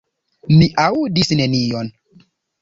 Mi aŭdis nenion.